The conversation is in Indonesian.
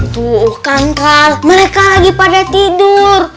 tuh kan kal mereka lagi pada tidur